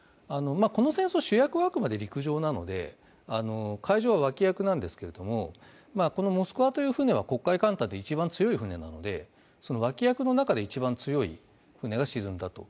この戦争、主役はあくまで陸上なので海上は脇役なんですけれども、この「モスクワ」という船は黒海艦隊で一番強い船なので脇役の中で一番強い船が沈んだと。